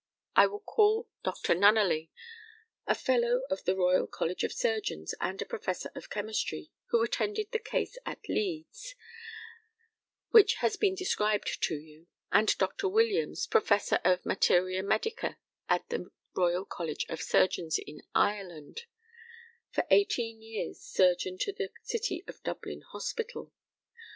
I will call Dr. Nunneley, a fellow of the Royal College of Surgeons and a professor of chemistry, who attended the case at Leeds, which has been described to you, and Dr. Williams, professor of materia medica at the Royal College of Surgeons in Ireland, for eighteen years surgeon to the City of Dublin Hospital.